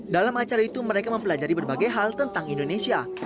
dalam acara itu mereka mempelajari berbagai hal tentang indonesia